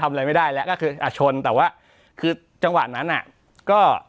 อะไรไม่ได้แล้วก็คืออ่ะชนแต่ว่าคือจังหวะนั้นอ่ะก็